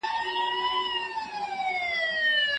خلک کولای شي ترې مرسته واخلي.